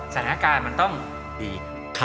ศาลอาการมันต้องดี